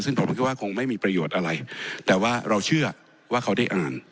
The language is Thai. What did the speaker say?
ซึ่งผมก็คิดว่าคงไม่มีประโยชน์อะไรแต่ว่าเราเชื่อว่าเขาได้อ่าน